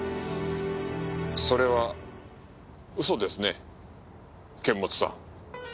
それは嘘ですね堅物さん。